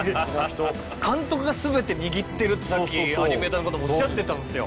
監督が全て握ってるってさっきアニメーターの方おっしゃってたんすよ。